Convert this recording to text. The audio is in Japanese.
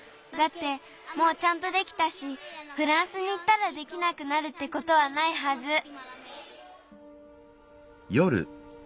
だってもうちゃんとできたしフランスにいったらできなくなるってことはないはず。